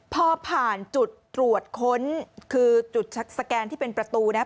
พอผ่านจุดตรวจค้นคือจุดสแกนที่เป็นประตูนะครับ